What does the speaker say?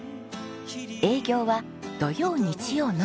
営業は土曜日曜のみ。